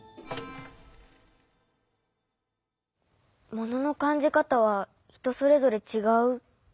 「もののかんじかたはひとそれぞれちがう」か。